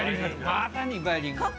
まさにバイリンガル。